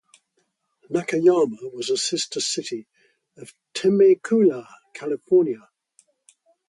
Nakayama was a sister city of Temecula, California.